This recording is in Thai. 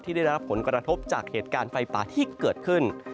ได้รับผลกระทบจากเหตุการณ์ไฟป่าที่เกิดขึ้น